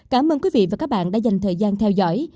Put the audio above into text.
cảm ơn quý vị và các bạn đã dành thời gian theo dõi